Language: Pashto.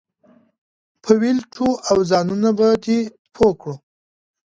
هغه وپلټو او ځانونه پر دې پوه کړو.